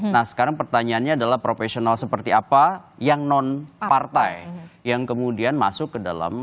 nah sekarang pertanyaannya adalah profesional seperti apa yang non partai yang kemudian masuk ke dalam